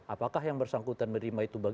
apakah yang bersangkutan menerima itu